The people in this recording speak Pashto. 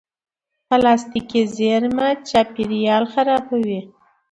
پلاستيکي زېرمه چاپېریال خرابوي.